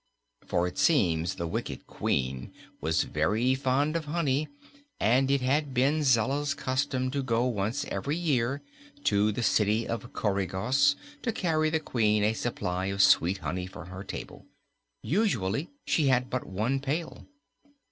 For it seems the wicked Queen was very fond of honey and it had been Zella's custom to go, once every year, to the City of Coregos, to carry the Queen a supply of sweet honey for her table. Usually she had but one pail.